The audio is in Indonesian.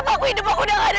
apapun yang kamu minta